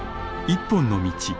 「一本の道」。